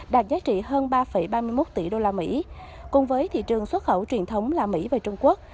đạt giá trị hơn ba ba mươi một tỷ usd cùng với thị trường xuất khẩu truyền thống là mỹ và trung quốc